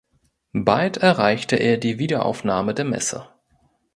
Bald erreichte er die Wiederaufnahme der Messe.